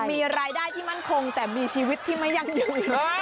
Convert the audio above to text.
มีรายได้ที่มั่นคงแต่มีชีวิตที่ไม่ยั่งยืน